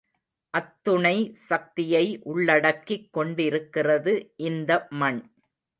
அத்துணை சக்தியை உள்ளடக்கிக் கொண்டிருக்கிறது இந்த மண்.